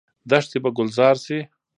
دښتې به ګلزار شي.